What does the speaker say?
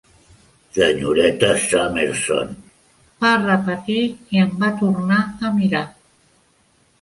"Senyoreta Summerson", va repetir, i em va tornar a mirar.